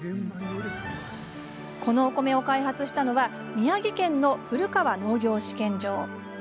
このお米を開発したのは宮城県の古川農業試験場。